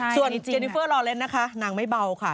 ส่วนเจนิเฟอร์รอเล่นนะคะนางไม่เบาค่ะ